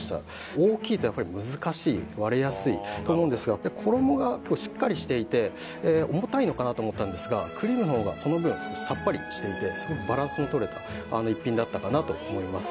大きいとやっぱり難しい割れやすいと思うんですが衣がしっかりしていて重たいのかなと思ったんですがクリームの方がその分さっぱりしていてすごいバランスのとれた一品だったかなと思います